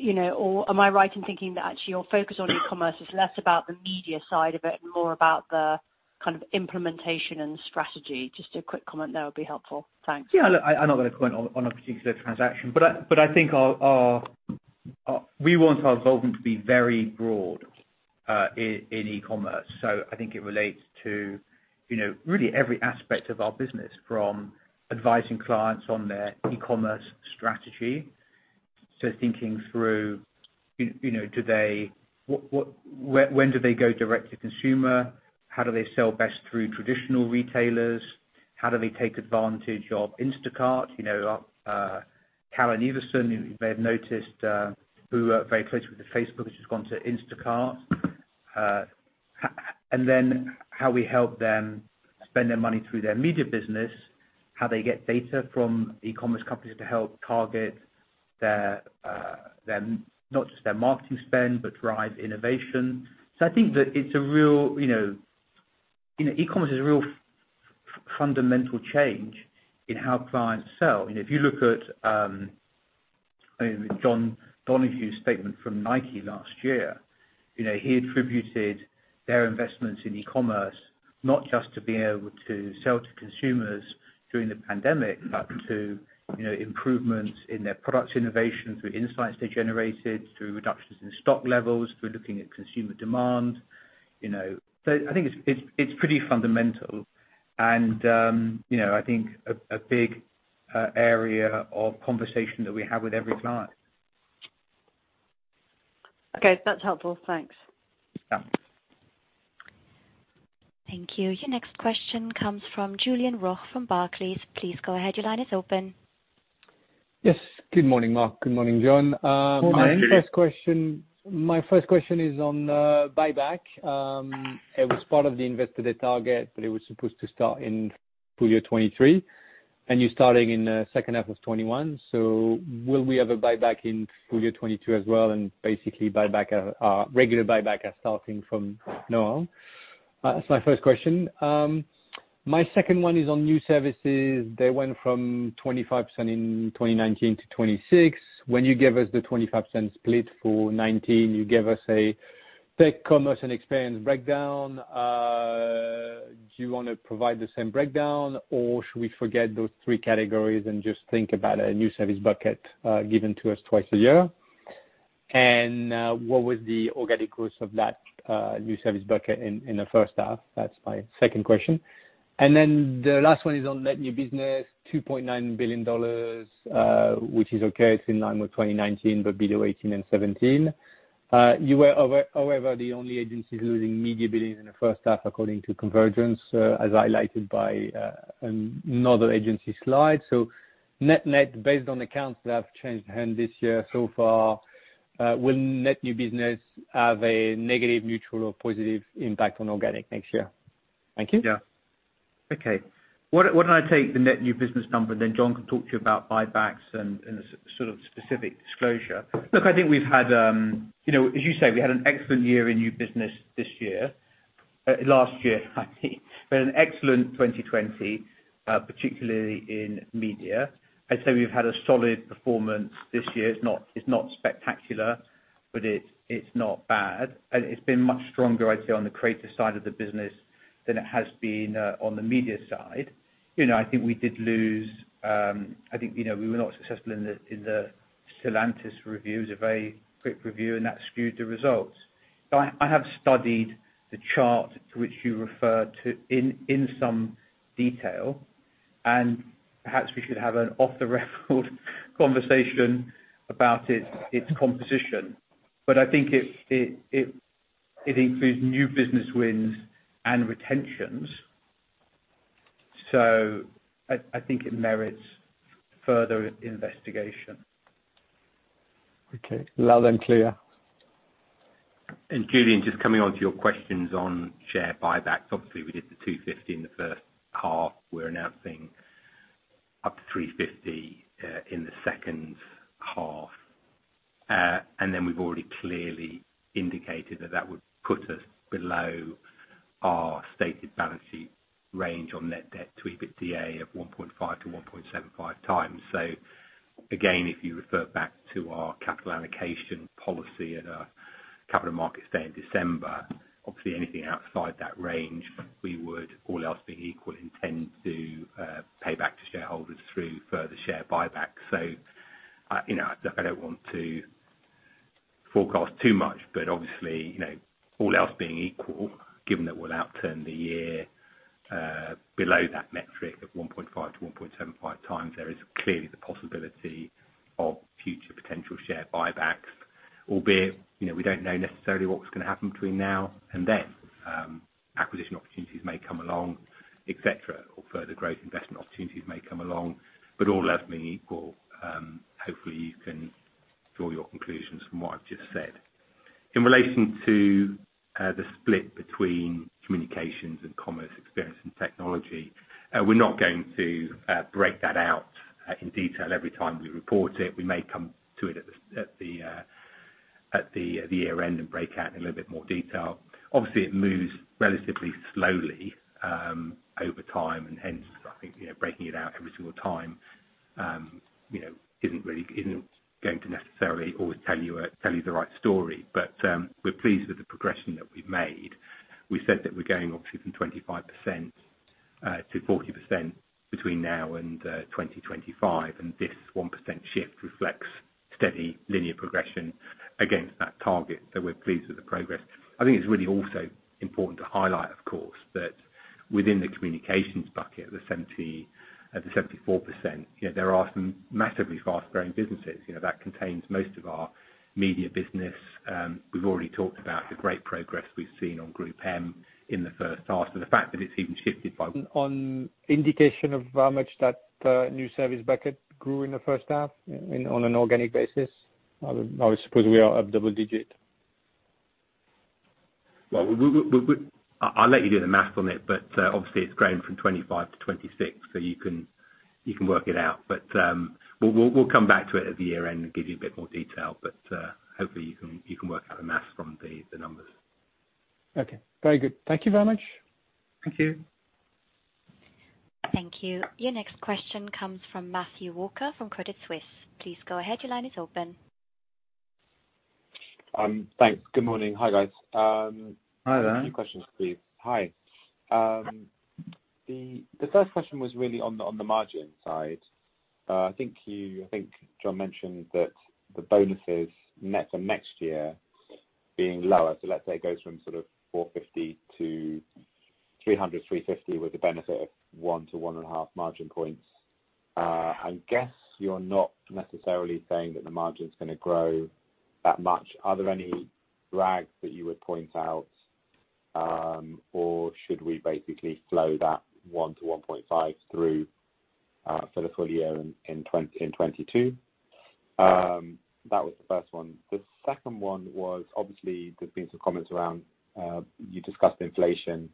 S6: am I right in thinking that actually your focus on e-commerce is less about the media side of it and more about the kind of implementation and strategy? Just a quick comment there would be helpful. Thanks.
S2: Yeah, look, I'm not going to comment on a particular transaction, but I think we want our involvement to be very broad in e-commerce. I think it relates to really every aspect of our business, from advising clients on their e-commerce strategy. Thinking through, when do they go direct to consumer? How do they sell best through traditional retailers? How do they take advantage of Instacart? Carolyn Everson, you may have noticed, who worked very closely with Facebook and she's gone to Instacart. How we help them spend their money through their media business, how they get data from e-commerce companies to help target not just their marketing spend, but drive innovation. I think that e-commerce is a real fundamental change in how clients sell. If you look at John Donahoe's statement from Nike last year, he attributed their investments in e-commerce, not just to being able to sell to consumers during the pandemic, but to improvements in their products innovation, through insights they generated, through reductions in stock levels, through looking at consumer demand. I think it's pretty fundamental and I think a big area of conversation that we have with every client.
S6: Okay. That's helpful. Thanks.
S2: Yeah.
S1: Thank you. Your next question comes from Julien Roch from Barclays.
S7: Yes. Good morning, Mark. Good morning, John.
S2: Morning.
S7: My first question is on buyback. It was part of the Investor Day target, but it was supposed to start in full year 2023, and you're starting in the second half of 2021. Will we have a buyback in full year 2022 as well, basically regular buyback are starting from now? That's my first question. My second one is on new services. They went from 25% in 2019 to 26%. When you gave us the 25% split for 2019, you gave us a tech commerce and experience breakdown. Do you want to provide the same breakdown, or should we forget those three categories and just think about a new service bucket given to us twice a year? What was the organic growth of that new service bucket in the first half? That's my second question. The last one is on net-new business, $2.9 billion, which is okay. It's in line with 2019, but below 2018 and 2017. You were, however, the only agency losing media billing in the first half, according to COMvergence, as highlighted by another agency slide. Net-net, based on accounts that have changed hand this year so far, will net-new business have a negative, neutral, or positive impact on organic next year? Thank you.
S2: Yeah. Okay. Why don't I take the net-new business number, and then John Rogers can talk to you about buybacks and the sort of specific disclosure. Look, I think as you say, we had an excellent year in new business this year. Last year actually. We had an excellent 2020, particularly in media. I'd say we've had a solid performance this year. It's not spectacular, but it's not bad. It's been much stronger, I'd say, on the creative side of the business than it has been on the media side. I think we were not successful in the Stellantis reviews, a very quick review, and that skewed the results. I have studied the chart to which you refer to in some detail, and perhaps we should have an off the record conversation about its composition. I think it includes new business wins and retentions. I think it merits further investigation.
S7: Okay. Loud and clear.
S3: Julien, just coming on to your questions on share buybacks. Obviously, we did the 250 million in the first half. We're announcing up to 350 million in the second half. We've already clearly indicated that that would put us below our stated balance sheet range on net debt to EBITDA of 1.5x-1.75x. Again, if you refer back to our capital allocation policy at our Capital Markets Day in December, obviously anything outside that range, we would, all else being equal, intend to pay back to shareholders through further share buybacks. I don't want to forecast too much, but obviously, all else being equal, given that we'll outturn the year below that metric of 1.5x-1.75x, there is clearly the possibility of future potential share buybacks. Albeit, we don't know necessarily what was going to happen between now and then. Acquisition opportunities may come along, et cetera, or further growth investment opportunities may come along. All else being equal, hopefully you can draw your conclusions from what I've just said. In relation to the split between communications and commerce experience and technology, we're not going to break that out in detail every time we report it. We may come to it at the year-end and break out in a little bit more detail. Obviously, it moves relatively slowly over time, and hence, I think breaking it out every single time isn't going to necessarily always tell you the right story. We're pleased with the progression that we've made. We said that we're going, obviously, from 25% to 40% between now and 2025, and this 1% shift reflects steady linear progression against that target. We're pleased with the progress. I think it's really also important to highlight, of course, that within the communications bucket, the 74%, there are some massively fast-growing businesses. That contains most of our media business. We've already talked about the great progress we've seen on GroupM in the first half.
S7: On indication of how much that new service bucket grew in the first half on an organic basis? I suppose we are up double digit.
S3: I'll let you do the math on it. Obviously it's grown from 25% to 26%, you can work it out. We'll come back to it at the year-end and give you a bit more detail. Hopefully you can work out the math from the numbers.
S7: Okay. Very good. Thank you very much.
S3: Thank you.
S1: Thank you. Your next question comes from Matthew Walker from Credit Suisse. Please go ahead. Your line is open.
S8: Thanks. Good morning. Hi, guys.
S2: Hi there.
S8: Few questions, please. Hi. The first question was really on the margin side. I think John mentioned that the bonuses net for next year being lower, so let's say it goes from sort of 450 million to 300 million-350 million with the benefit of 1-1.5 margin points. I guess you're not necessarily saying that the margin's going to grow that much. Are there any lags that you would point out? Should we basically flow that 1%-1.5% through for the full year in 2022? That was the first one. The second one was, obviously, there's been some comments around, you discussed inflation.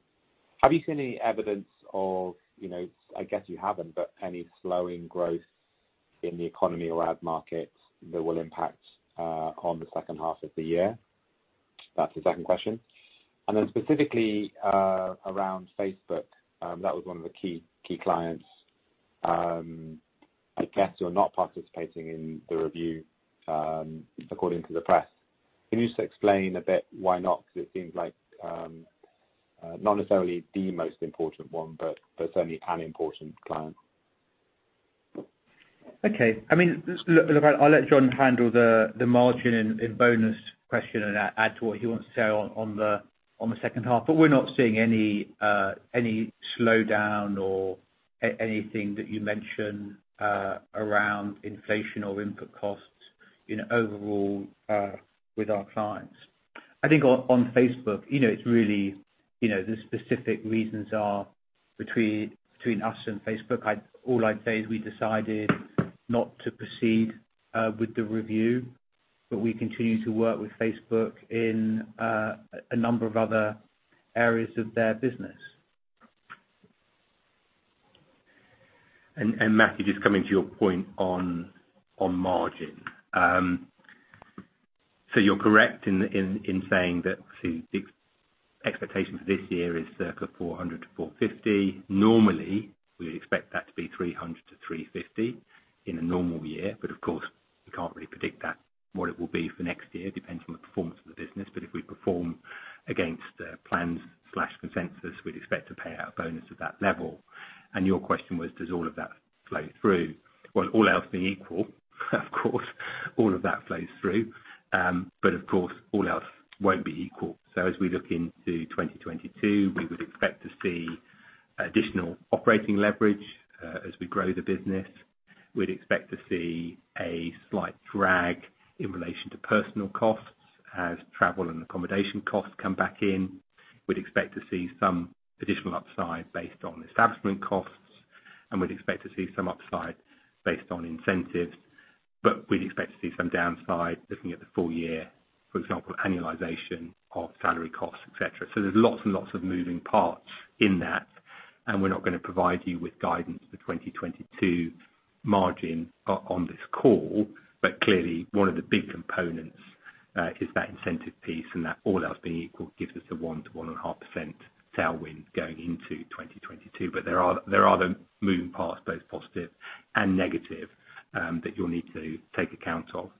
S8: Have you seen any evidence of, I guess you haven't, but any slowing growth in the economy or ad markets that will impact on the second half of the year? That's the second question. Specifically around Facebook, that was one of the key clients. I guess you're not participating in the review according to the press. Can you just explain a bit why not? It seems like not necessarily the most important one, but certainly an important client.
S2: Okay. I'll let John handle the margin and bonus question and add to what he wants to say on the second half. We're not seeing any slowdown or anything that you mentioned around inflation or input costs overall with our clients. I think on Facebook, the specific reasons are between us and Facebook. All I'd say is we decided not to proceed with the review, but we continue to work with Facebook in a number of other areas of their business.
S3: Matthew, just coming to your point on margin. You're correct in saying that the expectation for this year is circa 400 million-450 million. Normally, we would expect that to be 300 million-350 million in a normal year. Of course, we can't really predict that what it will be for next year, depends on the performance of the business. If we perform against plans/consensus, we'd expect to pay out a bonus at that level. Your question was, does all of that flow through? Well, all else being equal of course, all of that flows through. Of course, all else won't be equal. As we look into 2022, we would expect to see additional operating leverage as we grow the business. We'd expect to see a slight drag in relation to personnel costs as travel and accommodation costs come back in. We'd expect to see some additional upside based on establishment costs. We'd expect to see some upside based on incentives, but we'd expect to see some downside looking at the full year, for example, annualization of salary costs, et cetera. There's lots and lots of moving parts in that, and we're not going to provide you with guidance for 2022 margin on this call. Clearly, one of the big components is that incentive piece, and that all else being equal gives us the 1%-1.5% tailwind going into 2022. There are the moving parts, both positive and negative, that you will need to take account of.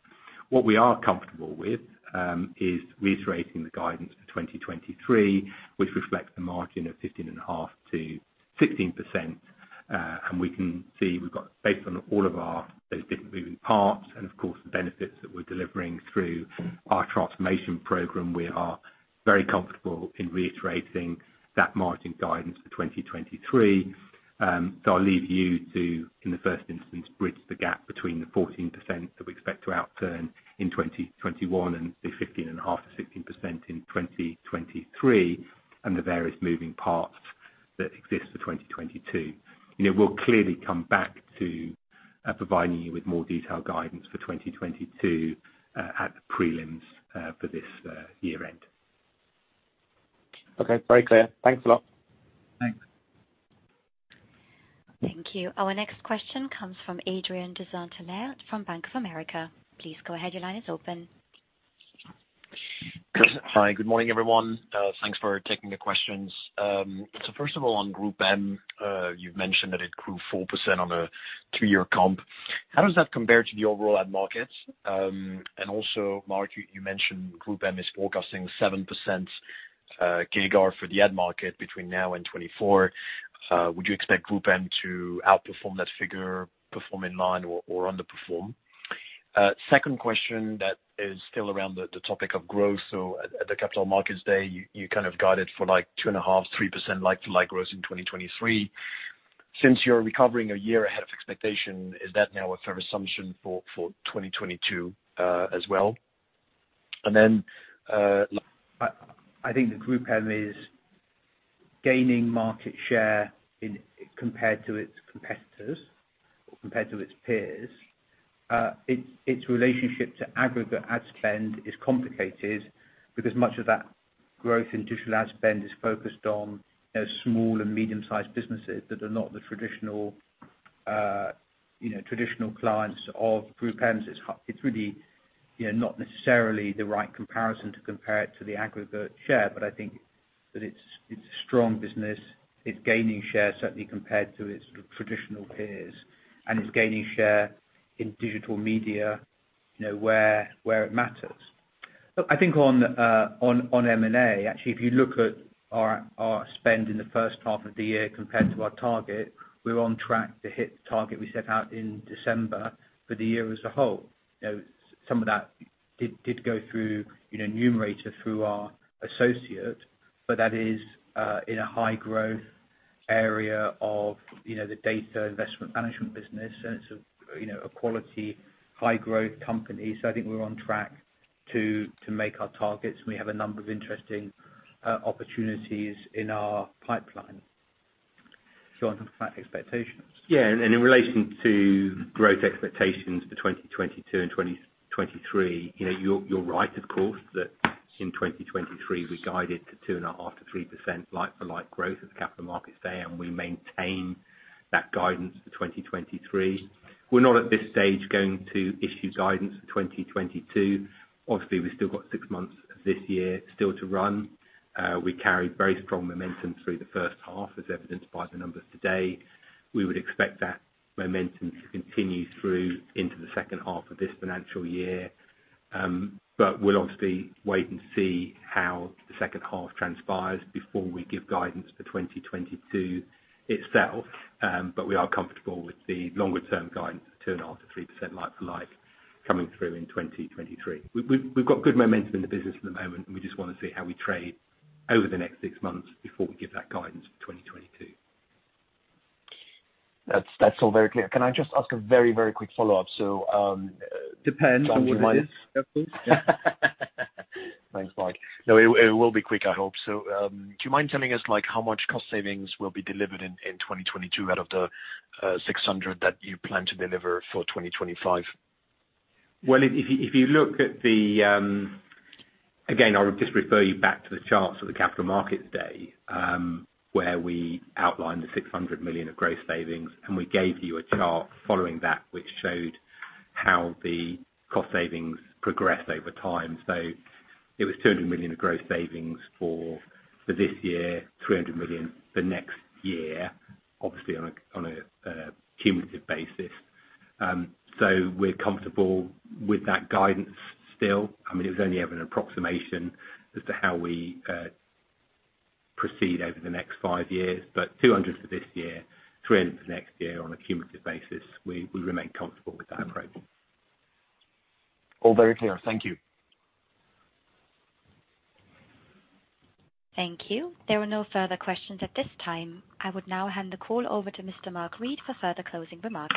S3: What we are comfortable with is reiterating the guidance for 2023, which reflects the margin of 15.5%-16%. We can see we have got, based on all of those different moving parts and of course the benefits that we are delivering through our transformation program, we are very comfortable in reiterating that margin guidance for 2023. I will leave you to, in the first instance, bridge the gap between the 14% that we expect to outturn in 2021 and the 15.5%-16% in 2023, and the various moving parts that exist for 2022. We'll clearly come back to providing you with more detailed guidance for 2022 at the prelims for this year end.
S8: Okay, very clear. Thanks a lot. Thanks.
S1: Thank you. Our next question comes from Adrien de Saint Hilaire from Bank of America.
S9: Hi. Good morning, everyone. Thanks for taking the questions. First of all, on GroupM, you've mentioned that it grew 4% on a two-year comp. How does that compare to the overall ad market? Also, Mark, you mentioned GroupM is forecasting 7% CAGR for the ad market between now and 2024. Would you expect GroupM to outperform that figure, perform in line, or underperform? Second question that is still around the topic of growth. At the Capital Markets Day, you kind of guided for like 2.5%, 3% like-to-like growth in 2023. Since you're recovering a year ahead of expectation, is that now a fair assumption for 2022, as well?
S2: I think that GroupM is gaining market share compared to its competitors or compared to its peers. Its relationship to aggregate ad spend is complicated because much of that growth in digital ad spend is focused on small and medium-sized businesses that are not the traditional clients of GroupM. It's really not necessarily the right comparison to compare it to the aggregate share, but I think that it's a strong business. It's gaining share certainly compared to its traditional peers, and it's gaining share in digital media where it matters. Look, I think on M&A, actually, if you look at our spend in the first half of the year compared to our target, we're on track to hit the target we set out in December for the year as a whole. Some of that did go through Numerator, through our associate, that is in a high growth area of the data investment management business, and it's a quality high growth company. I think we're on track to make our targets, and we have a number of interesting opportunities in our pipeline. Do you want to talk about expectations?
S3: Yeah. In relation to growth expectations for 2022 and 2023, you're right, of course, that in 2023 we guided to 2.5%-3% like-for-like growth at the Capital Markets Day, we maintain that guidance for 2023. We're not at this stage going to issue guidance for 2022. Obviously, we've still got six months of this year still to run. We carried very strong momentum through the first half, as evidenced by the numbers today. We would expect that momentum to continue through into the second half of this financial year. We'll obviously wait and see how the second half transpires before we give guidance for 2022 itself. We are comfortable with the longer term guidance of 2.5%-3% like for like coming through in 2023. We've got good momentum in the business at the moment, and we just want to see how we trade over the next six months before we give that guidance for 2022.
S9: That's all very clear. Can I just ask a very quick follow-up?
S2: Depends on what it is. Of course.
S9: Thanks, Mark. No, it will be quick, I hope so. Do you mind telling us how much cost savings will be delivered in 2022 out of the 600 million that you plan to deliver for 2025?
S3: Well, Again, I would just refer you back to the charts of the Capital Markets Day, where we outlined the 600 million of gross savings, and we gave you a chart following that which showed how the cost savings progressed over time. It was 200 million of gross savings for this year, 300 million for next year, obviously on a cumulative basis. We're comfortable with that guidance still. It was only ever an approximation as to how we proceed over the next five years, but 200 for this year, 300 for next year on a cumulative basis. We remain comfortable with that approach.
S9: All very clear. Thank you.
S1: Thank you. There are no further questions at this time. I would now hand the call over to Mr. Mark Read for further closing remarks.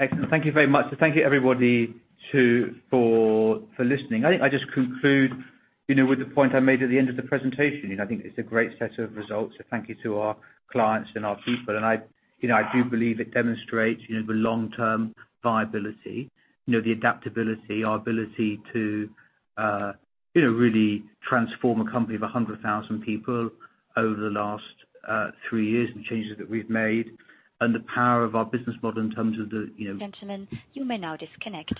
S2: Excellent. Thank you very much. Thank you, everybody, for listening. I think I just conclude with the point I made at the end of the presentation. I think it's a great set of results, so thank you to our clients and our people. I do believe it demonstrates the long-term viability, the adaptability, our ability to really transform a company of 100,000 people over the last three years, and the changes that we've made and the power of our business model.
S1: Gentlemen, you may now disconnect.